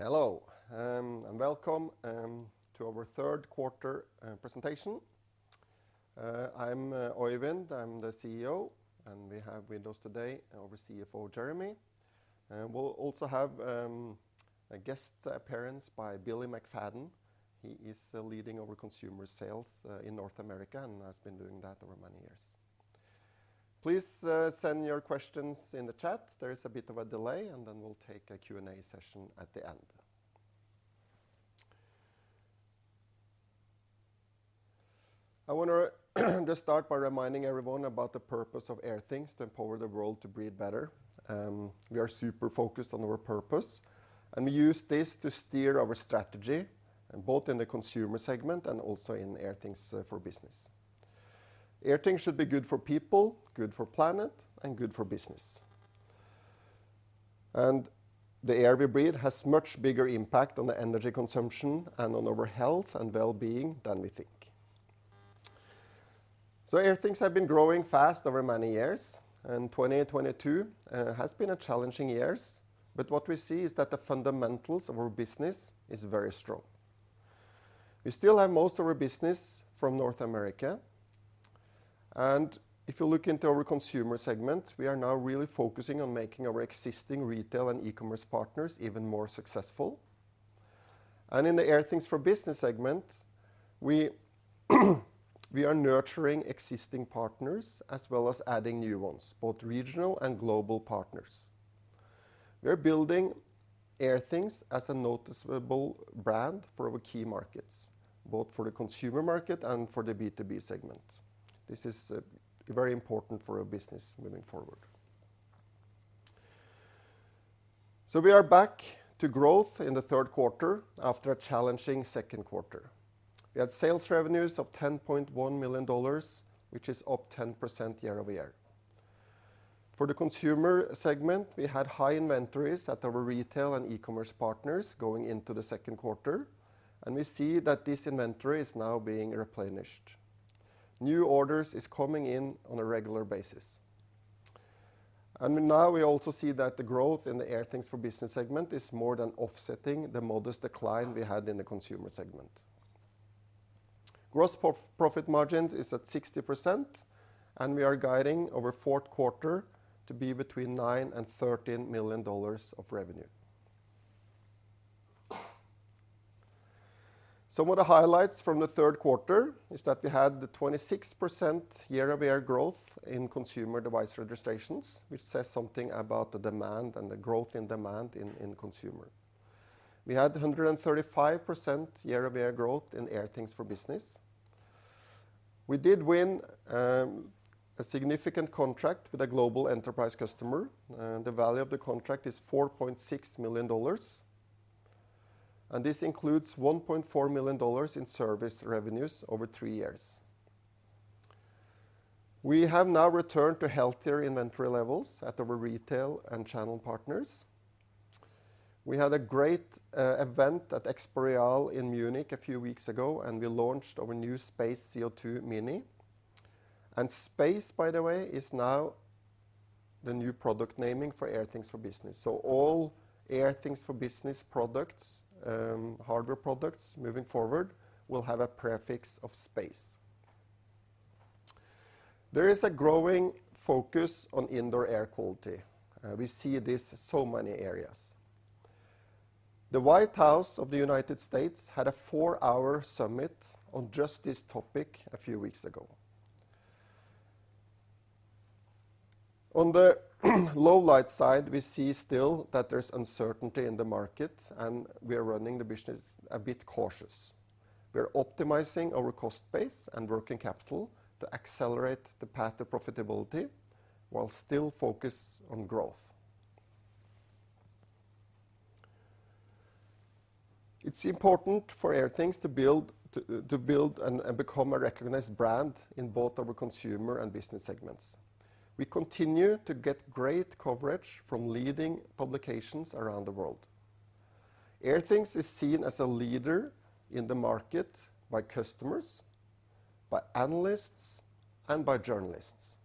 Hello, welcome to our Q3 presentation. I'm Øyvind, I'm the CEO, and we have with us today our CFO, Jeremy. We'll also have a guest appearance by Billy McFarland. He is leading our consumer sales in North America, and has been doing that over many years. Please send your questions in the chat. There is a bit of a delay, and then we'll take a Q&A session at the end. I wanna just start by reminding everyone about the purpose of Airthings: to empower the world to breathe better. We are super focused on our purpose, and we use this to steer our strategy, and both in the consumer segment and also in Airthings for Business. Airthings should be good for people, good for planet, and good for business. The air we breathe has much bigger impact on the energy consumption and on our health and well-being than we think. Airthings have been growing fast over many years, and 2022 has been a challenging years, but what we see is that the fundamentals of our business is very strong. We still have most of our business from North America. If you look into our consumer segment, we are now really focusing on making our existing retail and e-commerce partners even more successful. In the Airthings for Business segment, we are nurturing existing partners, as well as adding new ones, both regional and global partners. We're building Airthings as a noticeable brand for our key markets, both for the consumer market and for the B2B segment. This is very important for our business moving forward. We are back to growth in the Q3 after a challenging Q2. We had sales revenues of $10.1 million, which is up 10% year-over-year. For the consumer segment, we had high inventories at our retail and e-commerce partners going into the Q2, and we see that this inventory is now being replenished. New orders is coming in on a regular basis. Now we also see that the growth in the Airthings for Business segment is more than offsetting the modest decline we had in the consumer segment. Gross profit margins is at 60%, and we are guiding our Q4 to be between $9 and 13 million of revenue. Some of the highlights from the Q3 are that we had 26% year-over-year growth in consumer device registrations, which says something about the demand and the growth in demand in consumer. We had 135% year-over-year growth in Airthings for Business. We did win a significant contract with a global enterprise customer. The value of the contract is $4.6 million, and this includes $1.4 million in service revenues over three years. We have now returned to healthier inventory levels at our retail and channel partners. We had a great event at EXPO REAL in Munich a few weeks ago, and we launched our new Space CO2 Mini. Space, by the way, is now the new product naming for Airthings for Business. All Airthings for Business products, hardware products moving forward, will have a prefix of Space. There is a growing focus on indoor air quality. We see this in so many areas. The White House of the United States had a four-hour summit on just this topic a few weeks ago. On the lowlights side, we still see that there's uncertainty in the market, and we are running the business a bit cautiously. We're optimizing our cost base and working capital to accelerate the path to profitability while still focused on growth. It's important for Airthings to build and become a recognized brand in both our consumer and business segments. We continue to get great coverage from leading publications around the world. Airthings is seen as a leader in the market by customers, by analysts, and by journalists.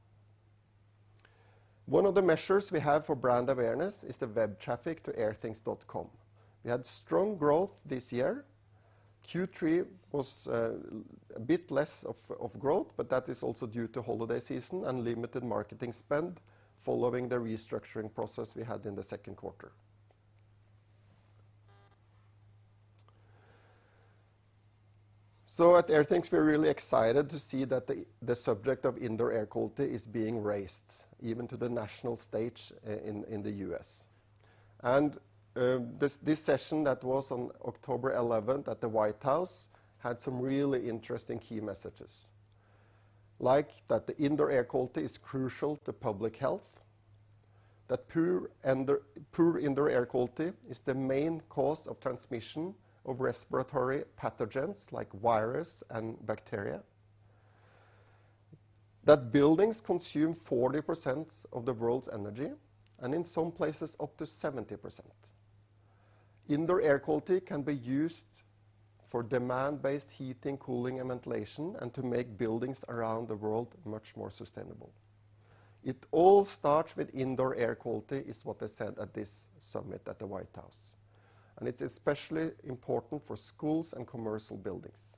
One of the measures we have for brand awareness is the web traffic to airthings.com. We had strong growth this year. Q3 was a bit less of growth, but that is also due to holiday season and limited marketing spend following the restructuring process we had in the Q2. At Airthings, we're really excited to see that the subject of indoor air quality is being raised even to the national stage in the US. This session that was on October 11th at the White House had some really interesting key messages, like that the indoor air quality is crucial to public health, that poor indoor air quality is the main cause of transmission of respiratory pathogens like virus and bacteria, that buildings consume 40% of the world's energy, and in some places up to 70%. Indoor air quality can be used for demand-based heating, cooling, and ventilation, and to make buildings around the world much more sustainable. "It all starts with indoor air quality," is what they said at this summit at the White House. It's especially important for schools and commercial buildings.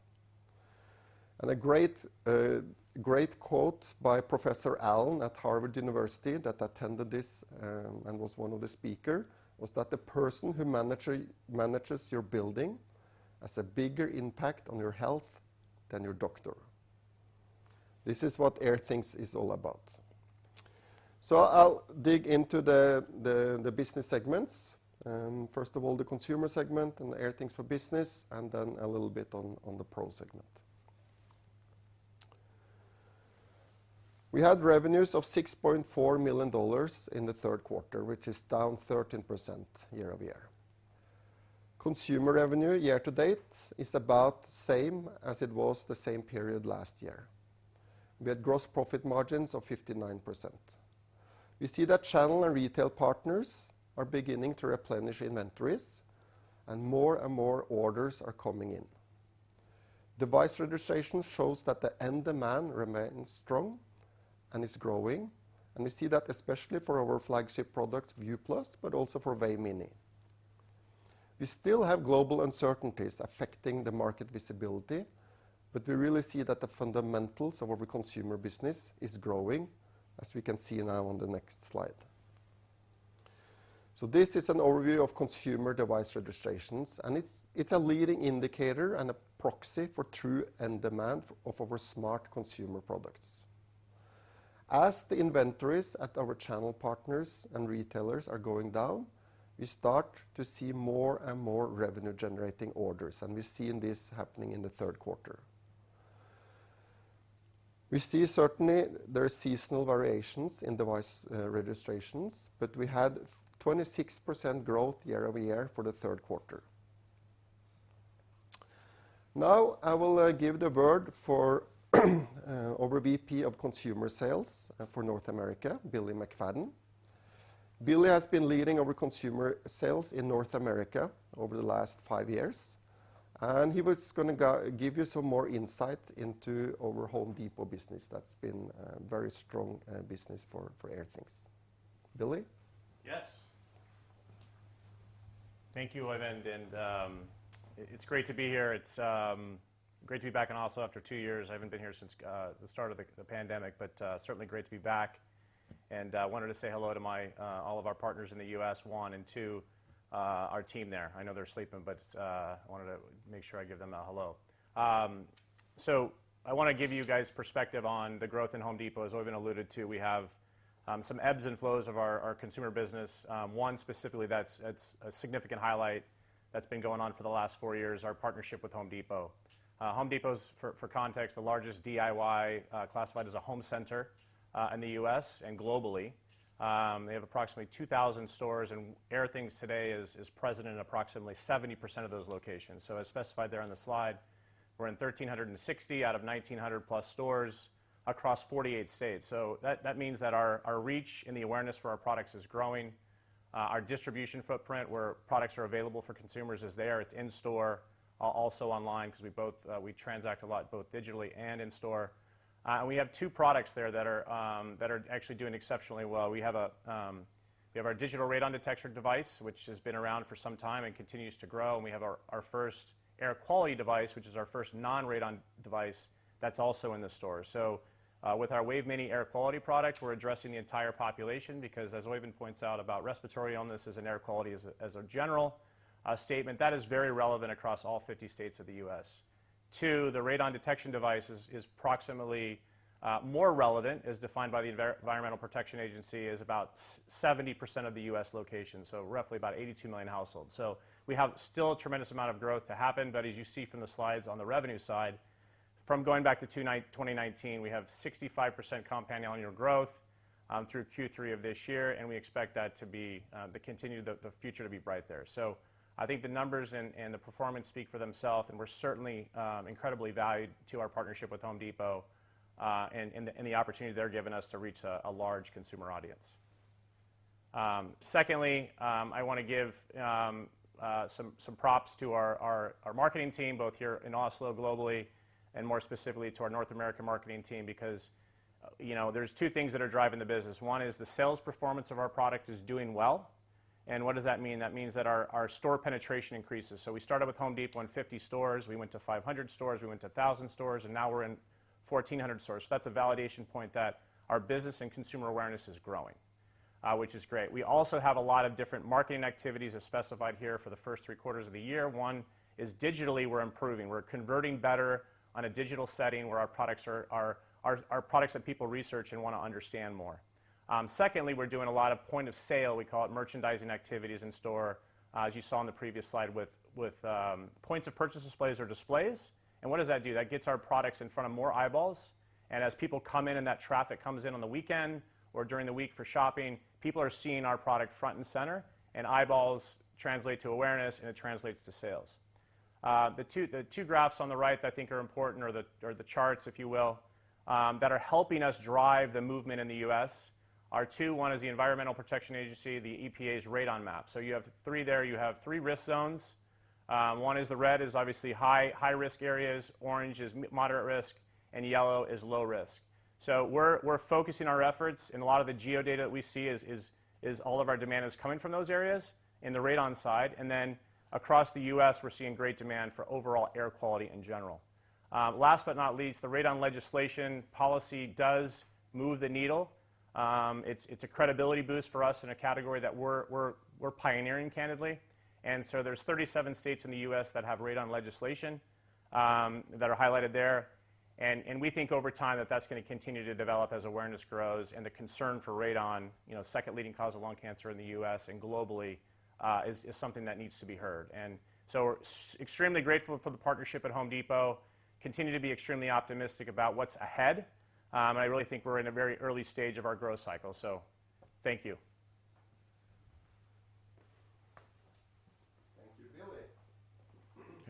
A great quote by Professor Allen at Harvard University that attended this, and was one of the speaker, was that, "The person who manages your building has a bigger impact on your health than your doctor." This is what Airthings is all about. I'll dig into the business segments, and first of all, the consumer segment and Airthings for Business, and then a little bit on the Pro segment. We had revenues of $6.4 million in the Q3, which is down 13% year-over-year. Consumer revenue year to date is about the same as it was the same period last year. We had gross profit margins of 59%. We see that channel and retail partners are beginning to replenish inventories and more and more orders are coming in. Device registration shows that the end demand remains strong and is growing, and we see that especially for our flagship product, View Plus, but also for Wave Mini. We still have global uncertainties affecting the market visibility, but we really see that the fundamentals of our consumer business is growing, as we can see now on the next slide. This is an overview of consumer device registrations, and it's a leading indicator and a proxy for true end demand of our smart consumer products. As the inventories at our channel partners and retailers are going down, we start to see more and more revenue-generating orders, and we're seeing this happening in the Q3. We see certainly there are seasonal variations in device registrations, but we had 26% growth year-over-year for the Q3. Now, I will give the word to our VP of consumer sales for North America, Billy McFarland. Billy has been leading our consumer sales in North America over the last five years, and he was gonna give you some more insight into our Home Depot business that's been a very strong business for Airthings. Billy? Yes. Thank you, Øyvind, and it's great to be here. It's great to be back in Oslo after two years. I haven't been here since the start of the pandemic, but certainly great to be back. I wanted to say hello to all of our partners in the US, one and two, our team there. I know they're sleeping, but I wanted to make sure I give them a hello. I wanna give you guys perspective on the growth in Home Depot. As Øyvind alluded to, we have some ebbs and flows of our consumer business. One specifically that's a significant highlight that's been going on for the last four years, our partnership with Home Depot. Home Depot is for context the largest DIY classified as a home center in the US and globally. They have approximately 2,000 stores, and Airthings today is present in approximately 70% of those locations. As specified there on the slide, we're in 1,360 out of 1,900+ stores across 48 states. That means that our reach and the awareness for our products is growing. Our distribution footprint where products are available for consumers is there. It's in store also online, 'cause we transact a lot both digitally and in store. We have two products there that are actually doing exceptionally well. We have our digital radon detector device, which has been around for some time and continues to grow, and we have our first air quality device, which is our first non-radon device that's also in the store. With our Wave Mini air quality product, we're addressing the entire population because, as Øyvind points out about respiratory illnesses and air quality as a general statement, that is very relevant across all 50 states of the US Too, the radon detection device is approximately more relevant, as defined by the Environmental Protection Agency, as about 70% of the US locations, so roughly about 82 million households. We have still a tremendous amount of growth to happen. As you see from the slides on the revenue side, from going back to 2019, we have 65% compound annual growth through Q3 of this year, and we expect that the future to be bright there. I think the numbers and the performance speak for themselves, and we're certainly incredibly valued to our partnership with Home Depot and the opportunity they're giving us to reach a large consumer audience. Secondly, I wanna give some props to our marketing team, both here in Oslo globally and more specifically to our North American marketing team, because you know, there's two things that are driving the business. One is the sales performance of our product is doing well. What does that mean? That means that our store penetration increases. We started with Home Depot in 50 stores, we went to 500 stores, we went to 1,000 stores, and now we're in 1,400 stores. That's a validation point that our business and consumer awareness is growing, which is great. We also have a lot of different marketing activities, as specified here, for the first three quarters of the year. One is digitally, we're improving. We're converting better on a digital setting where our products are products that people research and wanna understand more. Secondly, we're doing a lot of point-of-sale, we call it merchandising activities in store, as you saw in the previous slide with points of purchase displays or displays. What does that do? That gets our products in front of more eyeballs, and as people come in and that traffic comes in on the weekend or during the week for shopping, people are seeing our product front and center, and eyeballs translate to awareness, and it translates to sales. The two graphs on the right that I think are important, or the charts, if you will, that are helping us drive the movement in the US are two. One is the Environmental Protection Agency, the EPA's radon map. So you have three there. You have three risk zones. One is the red is obviously high-risk areas, orange is moderate risk, and yellow is low risk. We're focusing our efforts in a lot of the geo data that we see is all of our demand is coming from those areas in the radon side. Across the US, we're seeing great demand for overall air quality in general. Last but not least, the radon legislation policy does move the needle. It's a credibility boost for us in a category that we're pioneering candidly. There's 37 states in the US that have radon legislation that are highlighted there. We think over time that that's gonna continue to develop as awareness grows and the concern for radon, you know, second leading cause of lung cancer in the US and globally, is something that needs to be heard. We're extremely grateful for the partnership at Home Depot, continue to be extremely optimistic about what's ahead. I really think we're in a very early stage of our growth cycle. Thank you. Thank you, Billy.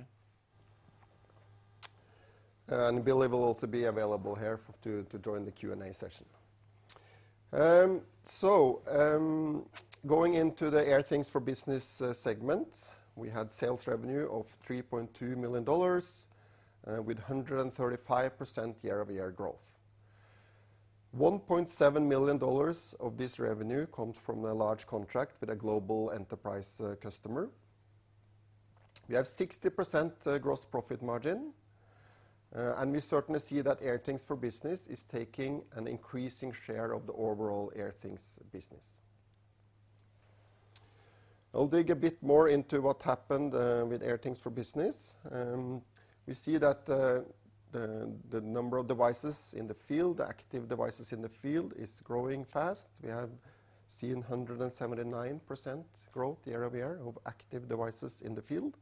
Okay. Billy will also be available here to join the Q&A session. Going into the Airthings for Business segment, we had sales revenue of $3.2 million with 135% year-over-year growth. $1.7 million of this revenue comes from a large contract with a global enterprise customer. We have 60% gross profit margin, and we certainly see that Airthings for Business is taking an increasing share of the overall Airthings business. I'll dig a bit more into what happened with Airthings for Business. We see that the number of devices in the field, active devices in the field, is growing fast. We have seen 179% growth year-over-year of active devices in the field,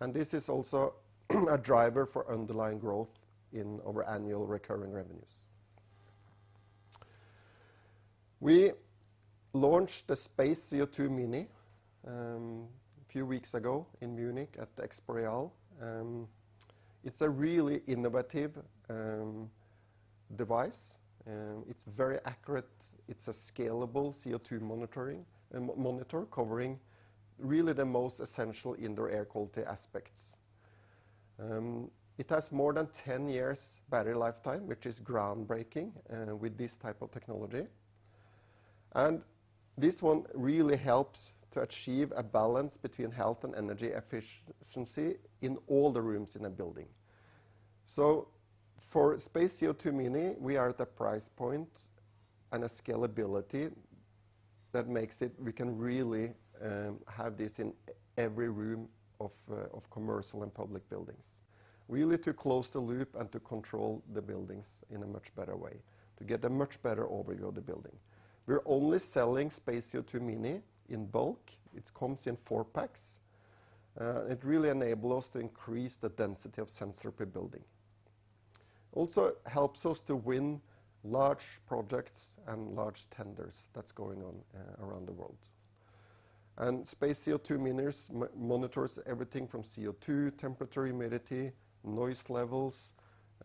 and this is also a driver for underlying growth in our annual recurring revenues. We launched the Space CO2 Mini a few weeks ago in Munich at the EXPO REAL. It's a really innovative device, it's very accurate. It's a scalable CO2 monitoring monitor covering really the most essential indoor air quality aspects. It has more than 10 years battery lifetime, which is groundbreaking with this type of technology. This one really helps to achieve a balance between health and energy efficiency in all the rooms in a building. For Space CO2 Mini, we are at a price point and a scalability that makes it we can really have this in every room of commercial and public buildings, really to close the loop and to control the buildings in a much better way, to get a much better overview of the building. We're only selling Space CO2 Mini in bulk. It comes in four packs. It really enable us to increase the density of sensor per building. Also helps us to win large projects and large tenders that's going on around the world. Space CO2 Mini monitors everything from CO2, temperature, humidity, noise levels.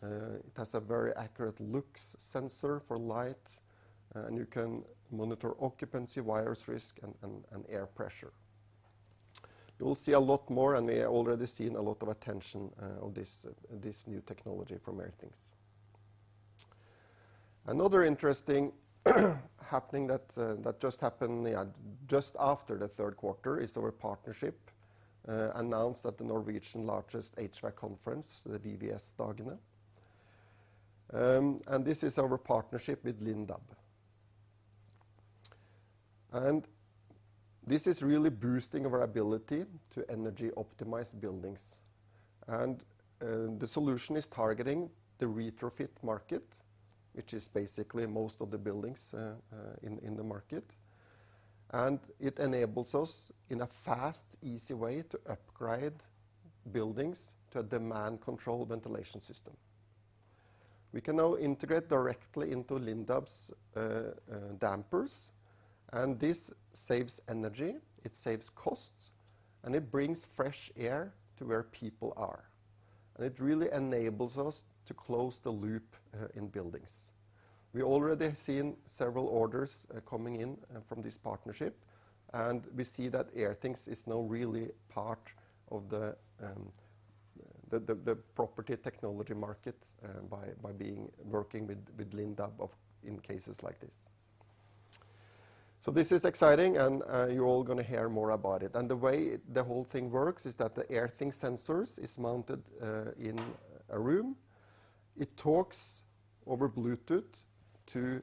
It has a very accurate lux sensor for light, and you can monitor occupancy, virus risk, and air pressure. You will see a lot more, and we are already seeing a lot of attention of this new technology from Airthings. Another interesting happening that just happened just after the Q3 is our partnership announced at Norway's largest HVAC conference, the VVS-dagene. This is our partnership with Lindab. This is really boosting our ability to energy optimize buildings. The solution is targeting the retrofit market, which is basically most of the buildings in the market. It enables us in a fast, easy way to upgrade buildings to a demand-controlled ventilation system. We can now integrate directly into Lindab's dampers, and this saves energy, it saves costs, and it brings fresh air to where people are. It really enables us to close the loop in buildings. We already have seen several orders coming in from this partnership, and we see that Airthings is now really part of the property technology market by working with Lindab in cases like this. This is exciting, and you're all gonna hear more about it. The way the whole thing works is that the Airthings sensors is mounted in a room. It talks over Bluetooth to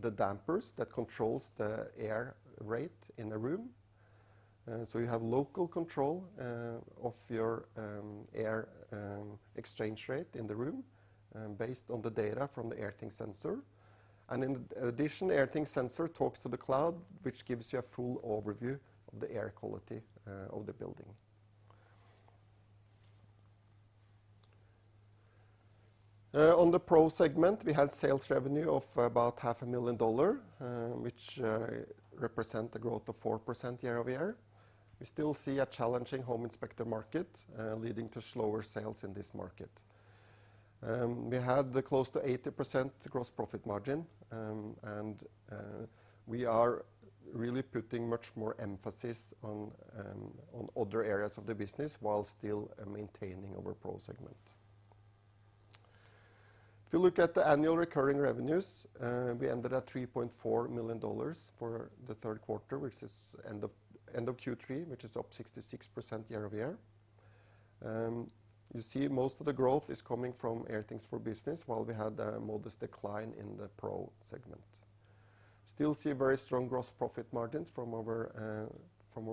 the dampers that controls the air rate in the room. You have local control of your air exchange rate in the room based on the data from the Airthings sensor. In addition, Airthings sensor talks to the cloud, which gives you a full overview of the air quality of the building. On the Pro segment, we had sales revenue of about half a million dollars, which represent a growth of 4% year-over-year. We still see a challenging home inspector market, leading to slower sales in this market. We had close to 80% gross profit margin. We are really putting much more emphasis on other areas of the business while still maintaining our pro segment. If you look at the annual recurring revenues, we ended at $3.4 million for the Q3, which is end of Q3, which is up 66% year-over-year. You see most of the growth is coming from Airthings for Business, while we had a modest decline in the pro segment. Still see very strong gross profit margins from our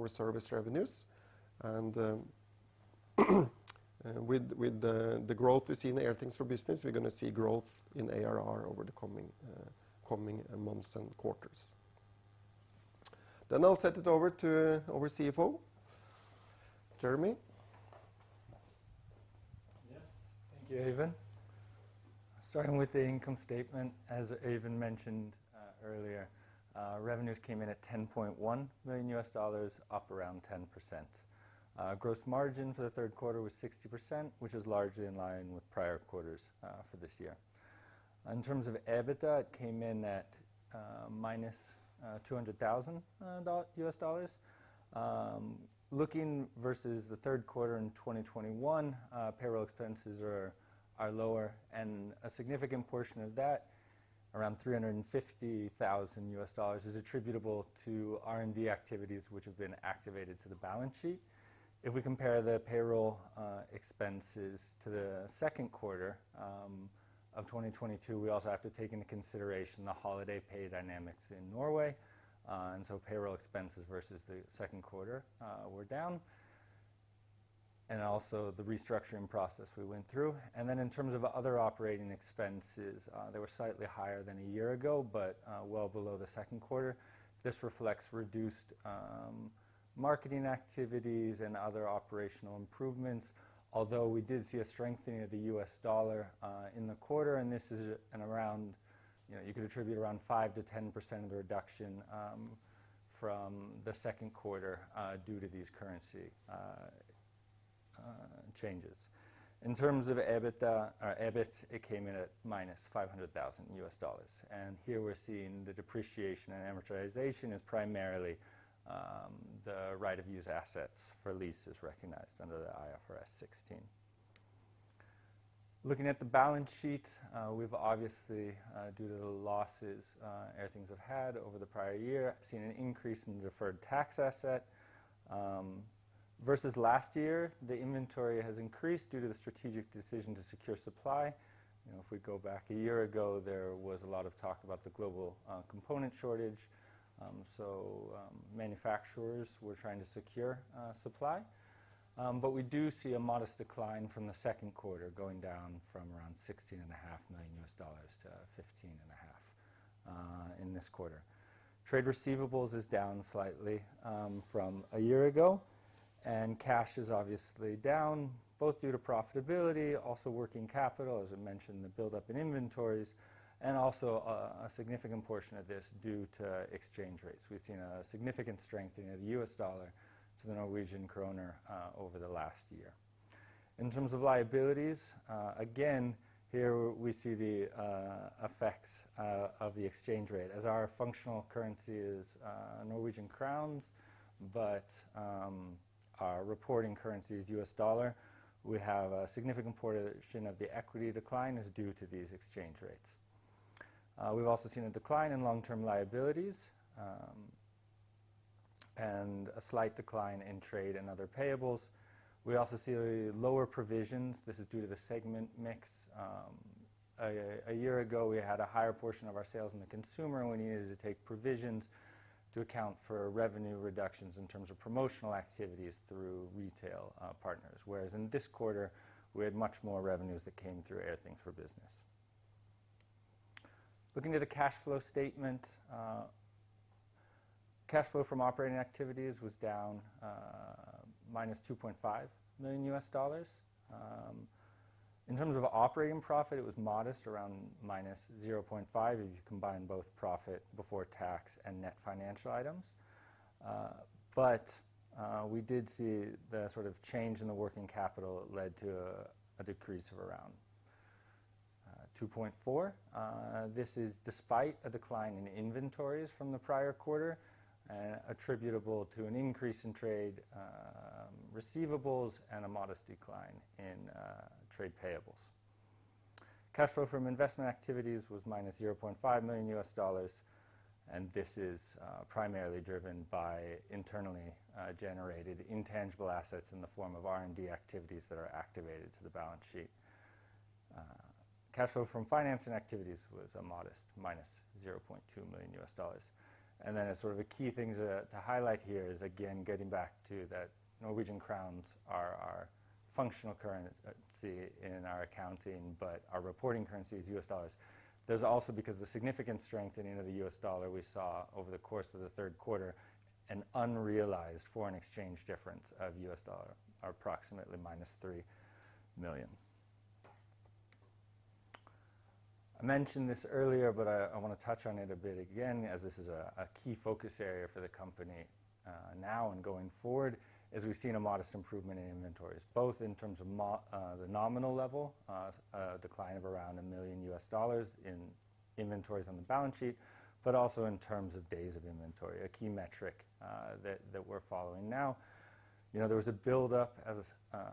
service revenues. With the growth we see in Airthings for Business, we're gonna see growth in ARR over the coming months and quarters. I'll set it over to our CFO, Jeremy. Yes. Thank you, Even. Starting with the income statement, as Even mentioned, earlier, revenues came in at $10.1 million, up around 10%. Gross margin for the Q3 was 60%, which is largely in line with prior quarters for this year. In terms of EBITDA, it came in at -$200,000. Looking versus the Q3 in 2021, payroll expenses are lower and a significant portion of that, around $350,000, is attributable to R&D activities which have been activated to the balance sheet. If we compare the payroll expenses to the Q2 of 2022, we also have to take into consideration the holiday pay dynamics in Norway. Payroll expenses versus the Q2 were down. Also the restructuring process we went through. In terms of other operating expenses, they were slightly higher than a year ago, but well below the Q2. This reflects reduced marketing activities and other operational improvements. Although we did see a strengthening of the US dollar in the quarter, and this is at around. You know, you can attribute around 5% to 10% of the reduction from the Q2 due to these currency changes. In terms of EBITDA or EBIT, it came in at -$500,000. Here we're seeing the depreciation and amortization is primarily the right-of-use assets for leases recognized under IFRS 16. Looking at the balance sheet, we've obviously, due to the losses, Airthings have had over the prior year, seen an increase in deferred tax asset. Versus last year, the inventory has increased due to the strategic decision to secure supply. You know, if we go back a year ago, there was a lot of talk about the global component shortage. Manufacturers were trying to secure supply. We do see a modest decline from the Q2, going down from around $16.5 to 15.5 million in this quarter. Trade receivables is down slightly from a year ago, and cash is obviously down, both due to profitability, also working capital, as I mentioned, the buildup in inventories, and also a significant portion of this due to exchange rates. We've seen a significant strengthening of the US dollar to the Norwegian krone over the last year. In terms of liabilities, again, here we see the effects of the exchange rate as our functional currency is Norwegian crowns, but our reporting currency is US dollar. We have a significant portion of the equity decline is due to these exchange rates. We've also seen a decline in long-term liabilities and a slight decline in trade and other payables. We also see lower provisions. This is due to the segment mix. A year ago, we had a higher portion of our sales in the consumer, and we needed to take provisions to account for revenue reductions in terms of promotional activities through retail partners. Whereas in this quarter, we had much more revenues that came through Airthings for Business. Looking at the cash flow statement, cash flow from operating activities was down -$2.5 million. In terms of operating profit, it was modest, around -$0.5 million, if you combine both profit before tax and net financial items. We did see the sort of change in the working capital led to a decrease of around $2.4 million. This is despite a decline in inventories from the prior quarter, attributable to an increase in trade receivables and a modest decline in trade payables. Cash flow from investment activities was -$0.5 million, and this is primarily driven by internally generated intangible assets in the form of R&D activities that are activated to the balance sheet. Cash flow from financing activities was a modest minus $0.2 million. Sort of the key things to highlight here is, again, getting back to that Norwegian kroner are our functional currency in our accounting, but our reporting currency is US dollars. There's also, because of the significant strengthening of the US dollar we saw over the course of the Q3, an unrealized foreign exchange difference of US dollars approximately -$3 million. I mentioned this earlier, but I want to touch on it a bit again as this is a key focus area for the company now and going forward, as we've seen a modest improvement in inventories, both in terms of the nominal level, a decline of around $1 million in inventories on the balance sheet, but also in terms of days of inventory, a key metric that we're following now. You know, there was a buildup, as I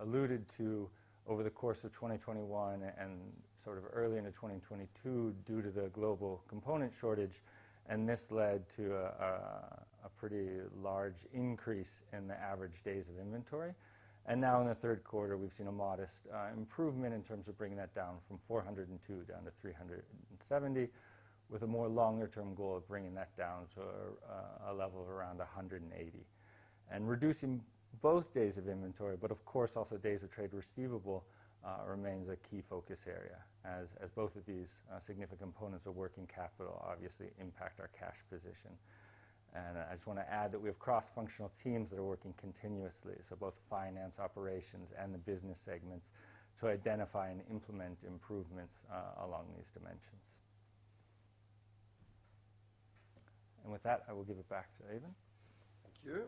alluded to over the course of 2021 and sort of early into 2022 due to the global component shortage, and this led to a pretty large increase in the average days of inventory. Now in the Q3, we've seen a modest improvement in terms of bringing that down from 402 down to 370, with a more longer-term goal of bringing that down to a level of around 180. Reducing both days of inventory, but of course, also days of trade receivable, remains a key focus area as both of these significant components of working capital obviously impact our cash position. I just want to add that we have cross-functional teams that are working continuously, so both finance operations and the business segments, to identify and implement improvements, along these dimensions. With that, I will give it back to Øyvind Birkenes. Thank you.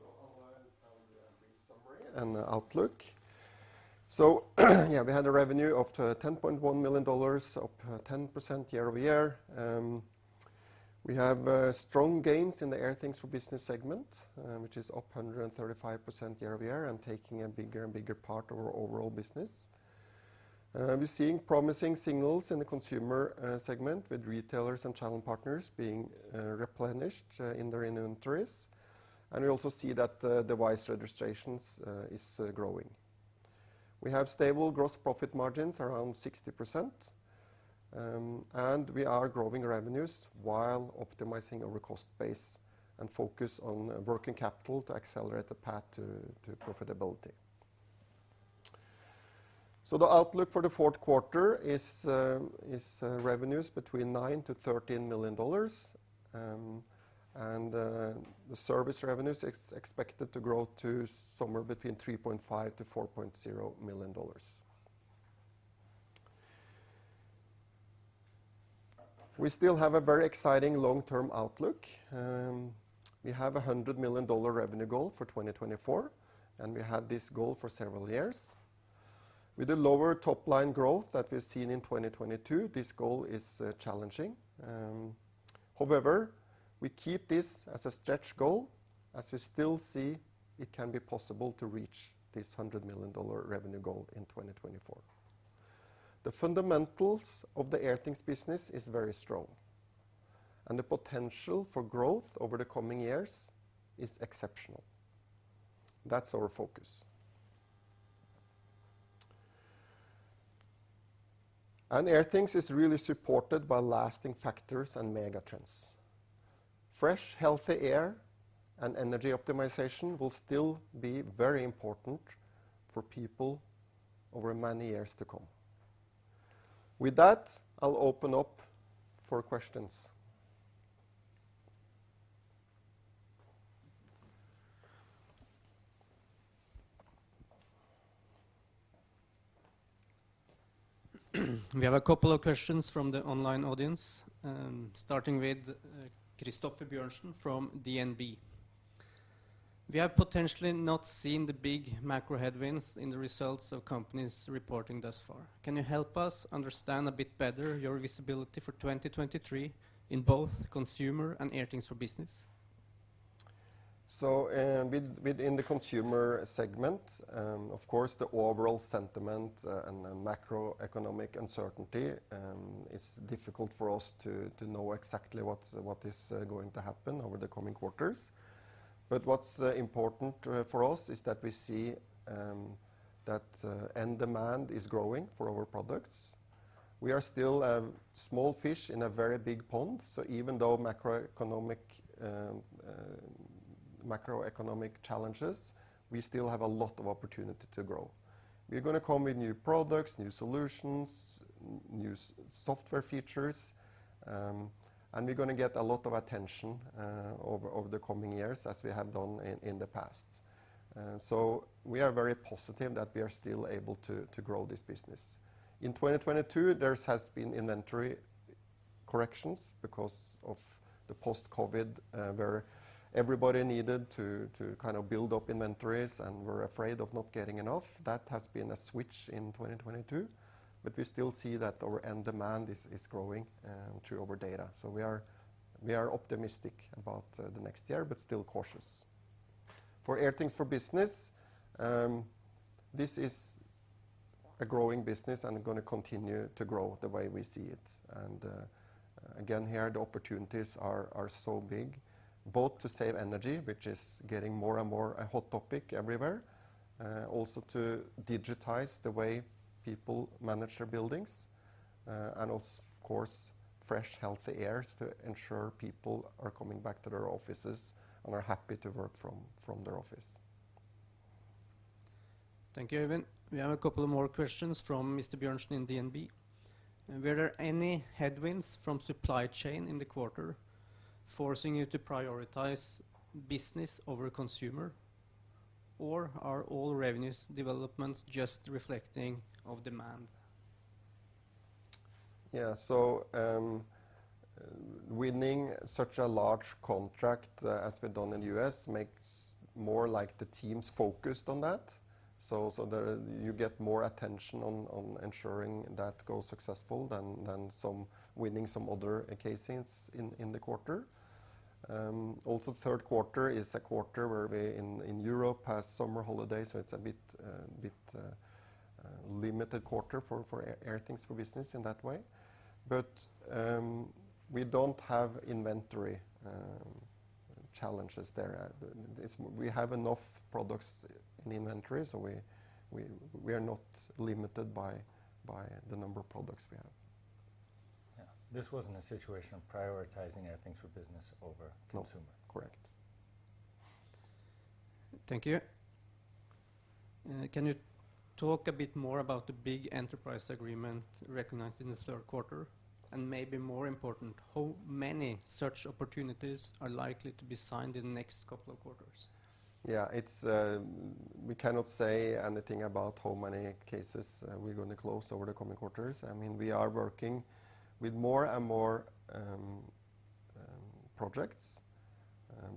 I'll give a summary and outlook. Yeah, we had a revenue of $10.1 million, up 10% year-over-year. We have strong gains in the Airthings for Business segment, which is up 135% year-over-year and taking a bigger and bigger part of our overall business. We're seeing promising signals in the consumer segment with retailers and channel partners being replenished in their inventories. We also see that device registrations is growing. We have stable gross profit margins around 60%, and we are growing revenues while optimizing our cost base and focus on working capital to accelerate the path to profitability. The outlook for the Q4 is revenues between $9 to 13 million, and the service revenues is expected to grow to somewhere between $3.5 to 4.0 million. We still have a very exciting long-term outlook. We have a $100 million revenue goal for 2024, and we have this goal for several years. With the lower top-line growth that we've seen in 2022, this goal is challenging. However, we keep this as a stretch goal, as we still see it can be possible to reach this $100 million revenue goal in 2024. The fundamentals of the Airthings business is very strong, and the potential for growth over the coming years is exceptional. That's our focus. Airthings is really supported by lasting factors and mega trends. Fresh, healthy air and energy optimization will still be very important for people over many years to come. With that, I'll open up for questions. We have a couple of questions from the online audience, starting with Christoffer Bjørnsen from DNB. We have potentially not seen the big macro headwinds in the results of companies reporting thus far. Can you help us understand a bit better your visibility for 2023 in both consumer and Airthings for Business? Within the consumer segment, of course, the overall sentiment and macroeconomic uncertainty, it's difficult for us to know exactly what is going to happen over the coming quarters. What is important for us is that we see that end demand is growing for our products. We are still a small fish in a very big pond, so even though macroeconomic challenges, we still have a lot of opportunity to grow. We're going to come with new products, new solutions, new software features, and we're going to get a lot of attention over the coming years as we have done in the past. We are very positive that we are still able to grow this business. In 2022, there has been inventory corrections because of the post-COVID, where everybody needed to kind of build up inventories and were afraid of not getting enough. That has been a switch in 2022, but we still see that our end demand is growing through our data. We are optimistic about the next year but still cautious. For Airthings for Business, this is a growing business and going to continue to grow the way we see it. Again, here the opportunities are so big, both to save energy, which is getting more and more a hot topic everywhere, also to digitize the way people manage their buildings, and of course, fresh, healthy air to ensure people are coming back to their offices and are happy to work from their office. Thank you, Even. We have a couple of more questions from Mr. Bjørnsen in DNB. Were there any headwinds from supply chain in the quarter forcing you to prioritize business over consumer? Or are all revenues developments just reflective of demand? Yeah. Winning such a large contract, as we've done in the US makes more, like, the teams focused on that. There, you get more attention on ensuring that goes successful than some winning some other cases in the quarter. Also, Q3 is a quarter where we in Europe has summer holidays, so it's a bit limited quarter for Airthings for Business in that way. We don't have inventory challenges there. We have enough products in inventory, so we are not limited by the number of products we have. Yeah. This wasn't a situation of prioritizing Airthings for Business over consumer. No. Correct. Thank you. Can you talk a bit more about the big enterprise agreement recognized in the Q3? Maybe more important, how many such opportunities are likely to be signed in the next couple of quarters? We cannot say anything about how many cases we're gonna close over the coming quarters. I mean, we are working with more and more projects,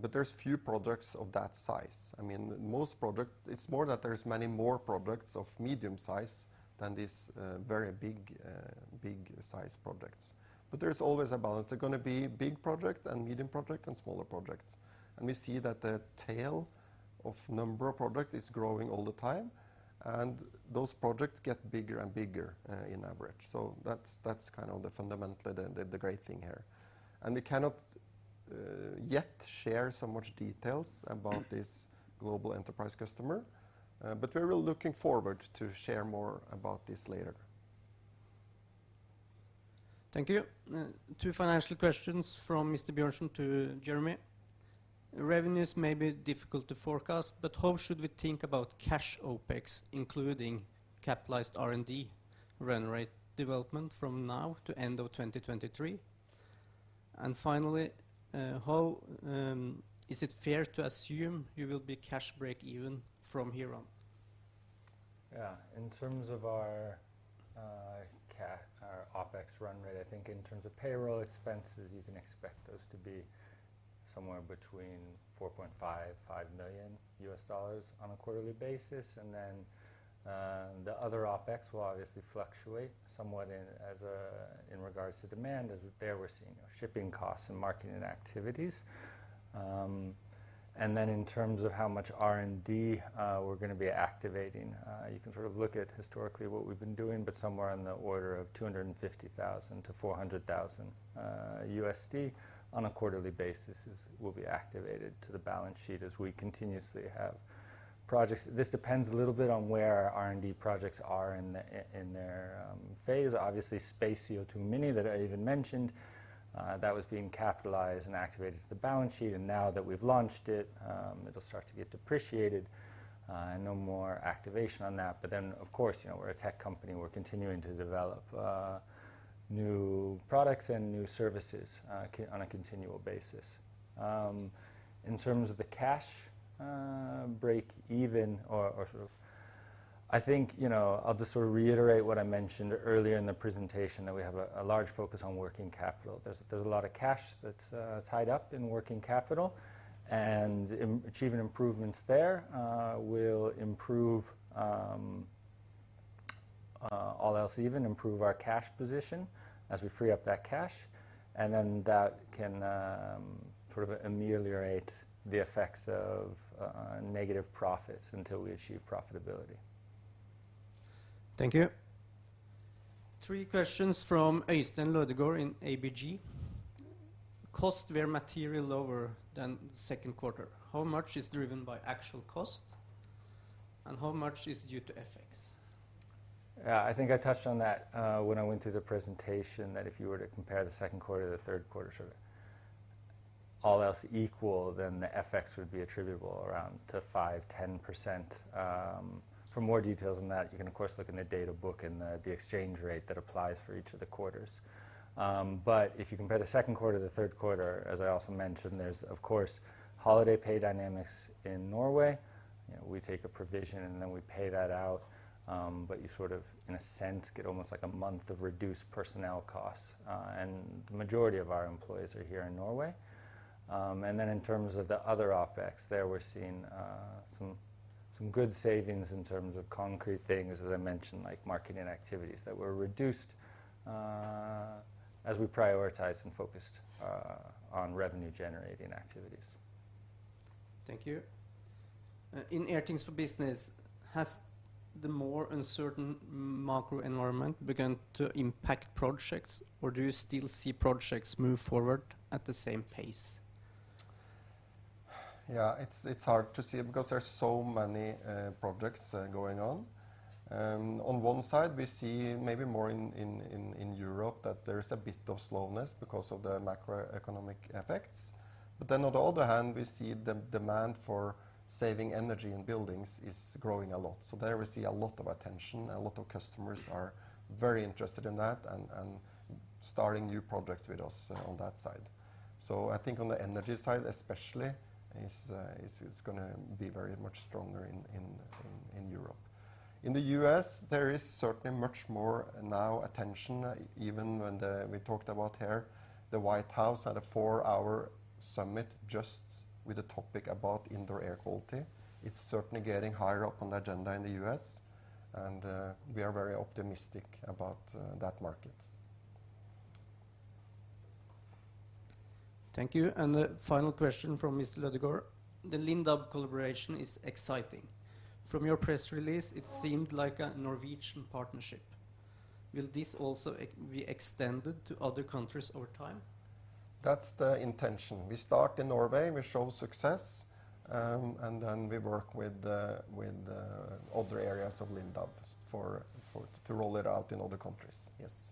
but there's few projects of that size. I mean, most project, it's more that there's many more projects of medium size than these very big, big size projects. There's always a balance. There are gonna be big project and medium project and smaller projects. We see that the tail of number of project is growing all the time, and those projects get bigger and bigger in average. That's kind of the fundamental, the great thing here. We cannot yet share so much details about this global enterprise customer, but we're really looking forward to share more about this later. Thank you. Two financial questions from Mr. Bjørnsen to Jeremy. Revenues may be difficult to forecast, but how should we think about cash OPEX, including capitalized R&D run rate development from now to end of 2023? Finally, is it fair to assume you will be cash break even from here on? Yeah. In terms of our OPEX run rate, I think in terms of payroll expenses, you can expect those to be somewhere between $4.5 to 5 million on a quarterly basis. Then, the other OPEX will obviously fluctuate somewhat in regards to demand as there we're seeing, you know, shipping costs and marketing activities. In terms of how much R&D we're gonna be activating, you can sort of look at historically what we've been doing, but somewhere in the order of $250,000 to 400,000 on a quarterly basis will be activated to the balance sheet as we continuously have projects. This depends a little bit on where our R&D projects are in their phase. Obviously, Space CO2 Mini that I even mentioned that was being capitalized and activated to the balance sheet. Now that we've launched it'll start to get depreciated and no more activation on that. Of course, you know, we're a tech company, we're continuing to develop new products and new services on a continual basis. In terms of the cash breakeven or sort of, I think, you know, I'll just sort of reiterate what I mentioned earlier in the presentation that we have a large focus on working capital. There's a lot of cash that's tied up in working capital. Achieving improvements there will, all else equal, improve our cash position as we free up that cash. That can sort of ameliorate the effects of negative profits until we achieve profitability. Thank you. Three questions from Øystein Elton Lodgaard in ABG. Costs were materially lower than the Q2. How much is driven by actual cost, and how much is due to FX? Yeah. I think I touched on that when I went through the presentation, that if you were to compare the Q2 to the Q3, sort of all else equal, then the FX would be attributable around to 5% to 10%. For more details on that, you can, of course, look in the data book and the exchange rate that applies for each of the quarters. If you compare the Q2 to the Q3, as I also mentioned, there's of course holiday pay dynamics in Norway. You know, we take a provision, and then we pay that out. You sort of in a sense get almost like a month of reduced personnel costs. The majority of our employees are here in Norway. In terms of the other OPEX, there, we're seeing some good savings in terms of concrete things, as I mentioned, like marketing activities that were reduced, as we prioritized and focused on revenue-generating activities. Thank you. In Airthings for Business, has the more uncertain macro environment begun to impact projects, or do you still see projects move forward at the same pace? Yeah. It's hard to see because there are so many projects going on. On one side, we see maybe more in Europe that there is a bit of slowness because of the macroeconomic effects. On the other hand, we see the demand for saving energy in buildings is growing a lot. There we see a lot of attention. A lot of customers are very interested in that and starting new projects with us on that side. I think on the energy side especially, it's gonna be very much stronger in Europe. In the US, there is certainly much more attention now. We talked about. Here, the White House had a four-hour summit just with a topic about indoor air quality. It's certainly getting higher up on the agenda in the US, and we are very optimistic about that market. Thank you. The final question from Mr. Lodgaard: The Lindab collaboration is exciting. From your press release, it seemed like a Norwegian partnership. Will this also be extended to other countries over time? That's the intention. We start in Norway, we show success, and then we work with the other areas of Lindab for to roll it out in other countries. Yes.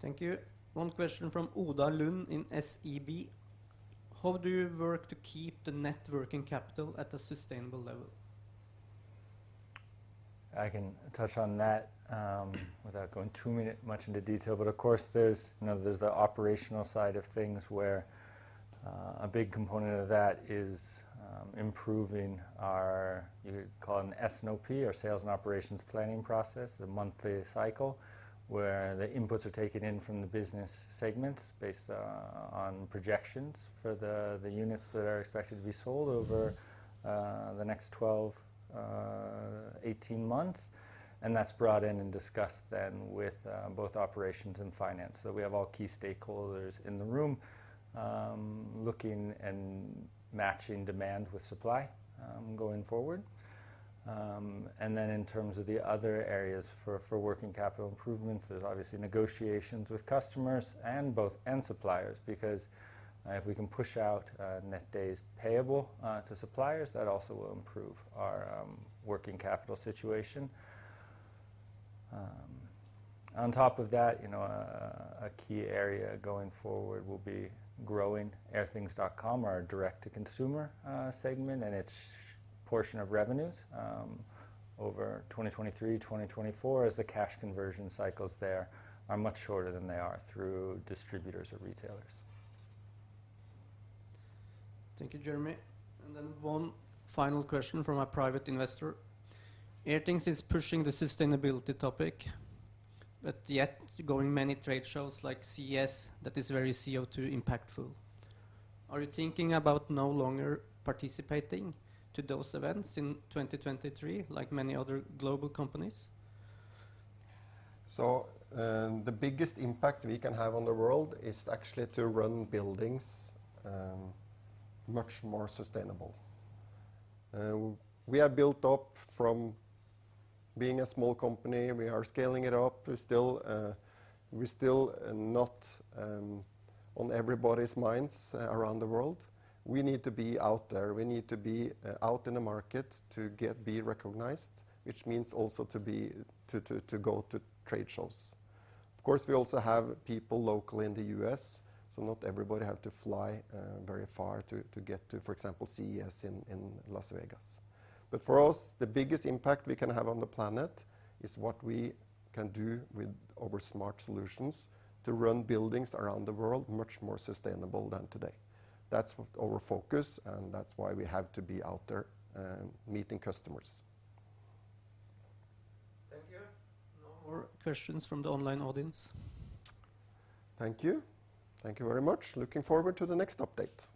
Thank you. One question from Oda Lund in SEB. How do you work to keep the net working capital at a sustainable level? I can touch on that, without going too much into detail, but of course, there's, you know, there's the operational side of things where, a big component of that is, improving our, you could call it an S&OP or sales and operations planning process, the monthly cycle, where the inputs are taken in from the business segments based on projections for the units that are expected to be sold over the next 12, 18 months. That's brought in and discussed then with both operations and finance. We have all key stakeholders in the room, looking and matching demand with supply, going forward. In terms of the other areas for working capital improvements, there's obviously negotiations with customers and both. suppliers, because if we can push out net days payable to suppliers, that also will improve our working capital situation. On top of that, you know, a key area going forward will be growing airthings.com, our direct-to-consumer segment and its portion of revenues over 2023, 2024, as the cash conversion cycles there are much shorter than they are through distributors or retailers. Thank you, Jeremy. One final question from a private investor. Airthings is pushing the sustainability topic, but yet going many trade shows like CES that is very CO2 impactful. Are you thinking about no longer participating to those events in 2023 like many other global companies? The biggest impact we can have on the world is actually to run buildings much more sustainable. We are built up from being a small company. We are scaling it up. We're still not on everybody's minds around the world. We need to be out there. We need to be out in the market to get to be recognized, which means also to go to trade shows. Of course, we also have people locally in the US, so not everybody have to fly very far to get to, for example, CES in Las Vegas. For us, the biggest impact we can have on the planet is what we can do with our smart solutions to run buildings around the world much more sustainable than today. That's our focus, and that's why we have to be out there, meeting customers. Thank you. No more questions from the online audience. Thank you. Thank you very much. Looking forward to the next update.